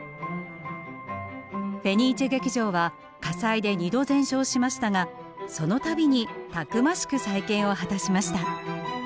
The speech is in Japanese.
フェニーチェ劇場は火災で２度全焼しましたがその度にたくましく再建を果たしました。